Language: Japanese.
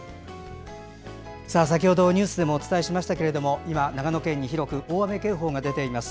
先ほどニュースでもお伝えしましたけれども今、長野県に広く大雨警報が出ています。